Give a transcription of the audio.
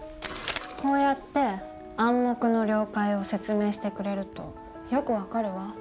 こうやって「暗黙の了解」を説明してくれるとよく分かるわ。